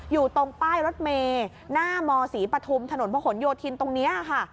อยู่ตรงป้ายรถเมหน้ามศปะทุมถพโยธินตรงเนี่ยค่ะ